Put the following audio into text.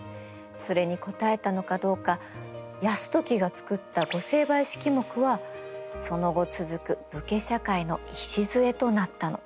それに答えたのかどうか泰時が作った御成敗式目はその後続く武家社会の礎となったの。